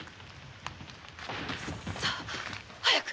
さあ早く！